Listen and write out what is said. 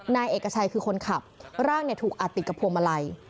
นายเอกชัยคือคนขับร่างถูกอัดติดกับพวงมาลัย